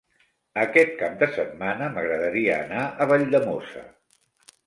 Aquest cap de setmana m'agradaria anar a Valldemossa.